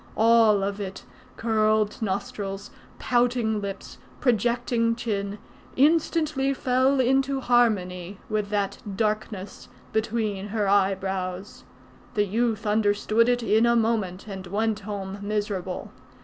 All of it, curled nostrils, pouting lips, projecting chin, instantly fell into harmony with that darkness between her eyebrows. The youth understood it in a moment, and went home miserable.